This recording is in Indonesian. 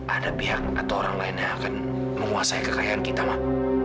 ada pihak atau orang lain yang akan menguasai kekayaan kita lah